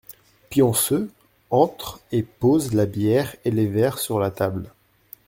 Pionceux entre et pose la bière et les verres sur la table.